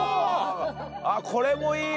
あっこれもいいね！